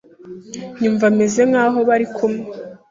yumva ameze nk’aho bari kumwe.